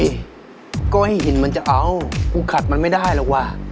ก็ให้หินมันจะเอากูขัดมันไม่ได้หรอกว่ะ